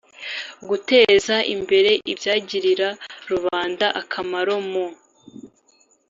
guteza imbere ibyagirira rubanda akamaro mu